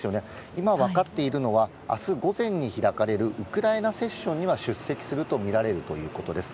今分かっているのは、あす午前に開かれるウクライナセッションには出席すると見られるということです。